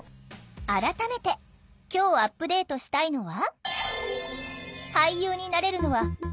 改めて今日アップデートしたいのは？